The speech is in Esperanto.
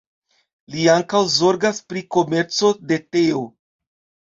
Li ankaŭ zorgas pri komerco de teo.